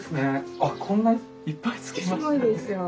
あっこんなにいっぱいつきましたね。